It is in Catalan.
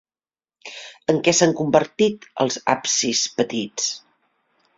En què s'han reconvertit els absis petits?